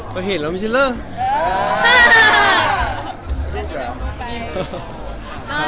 แต่ว่าหนาวมีแบบไอ้กรอดไอ้กูเนี่ย